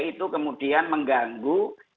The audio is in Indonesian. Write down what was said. itu kemudian mengganggu